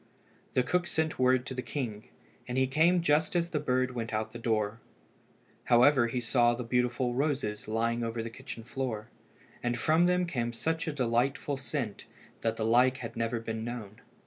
The cook sent word to the king, and he came just as the bird went out at the door. However he saw the beautiful roses lying all over the kitchen floor, and from them came such a delightful scent that the like had never been known.